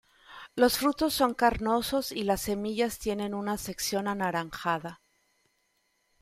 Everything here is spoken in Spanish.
Los frutos son carnosos y las semillas tienen una sección anaranjada.